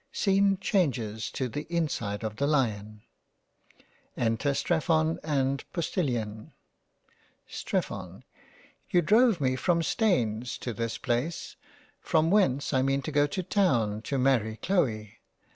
— Scene changes to the inside of the Lion. Enter Strephon and Postilion. Streph:) You drove me from Staines to this place, from whence I mean to go to Town to marry Chloe.